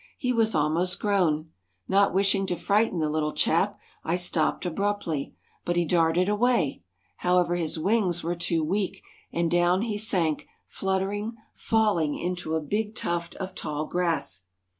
He was almost grown. Not wishing to frighten the little chap, I stopped abruptly. But he darted away. However, his wings were too weak, and down he sank fluttering, falling into a big tuft of tall grass.